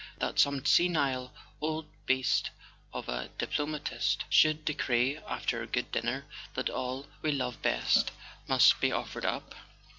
That some senile old beast of a diplomatist should decree, after a good dinner, that all we love best must be offered up